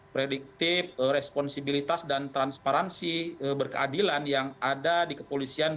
prediktif responsibilitas dan transparansi berkeadilan yang ada di kepolisian